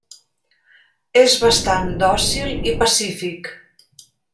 És bastant dòcil i pacífic.